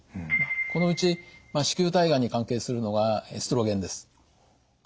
このうち子宮体がんに関係するのはエストロゲンです。